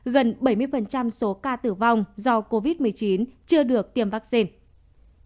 gần bảy mươi số ca tử vong do covid một mươi chín chưa được tiêm vaccine